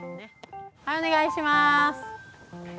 はいお願いします。